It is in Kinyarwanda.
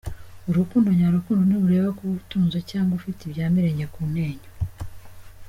Urukundo nyarukundo ntirureba kuba utunze cyangwa ufite ibya Mirenge ku Ntenyo.